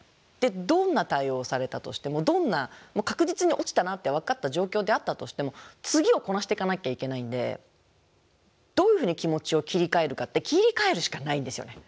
どんな対応をされたとしてもどんな確実に落ちたなって分かった状況であったとしても次をこなしていかなきゃいけないんでどういうふうに気持ちを切り替えるかって切り替えるしかないんですよね。